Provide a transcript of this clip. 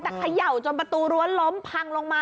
แต่เขย่าจนประตูรั้วล้มพังลงมา